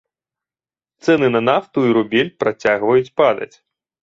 Цэны на нафту і рубель працягваюць падаць.